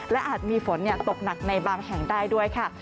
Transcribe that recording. และอาจมีฝนตกหนักในบางแห่งได้ด้วยค่ะ